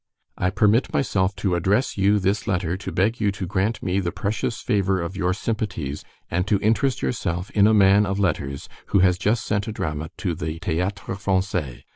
I permit myself to address you this letter to beg you to grant me the pretious favor of your simpaties and to interest yourself in a man of letters who has just sent a drama to the Théâtre Français.